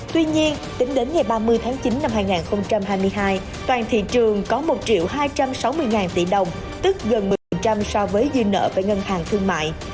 tuy nhiên tính đến ngày ba mươi tháng chín năm hai nghìn hai mươi hai toàn thị trường có một hai trăm sáu mươi tỷ đồng tức gần một mươi so với dư nợ với ngân hàng thương mại